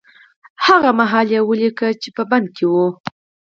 هغه مهال يې وليکه چې په بند کې و.